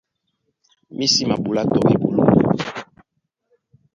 Mí sí maɓolá tɔ eɓoló.